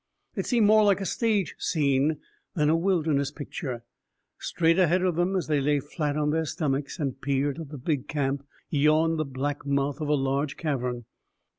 It seemed more like a stage scene than a wilderness picture. Straight ahead of them, as they lay flat on their stomachs and peered at the big camp, yawned the black mouth of a large cavern.